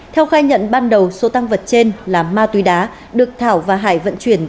theo khai nhận ban đầu số tăng vật trên là ma túy đá được thảo và hải vận chuyển